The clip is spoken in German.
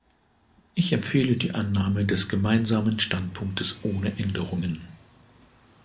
Ich empfehle die Annahme des Gemeinsamen Standpunktes ohne Änderungen.